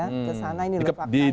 kesana ini lupakan